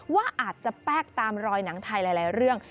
ว่าอาจจะแป๊กตามรอยหนังไทยหลายเรื่อง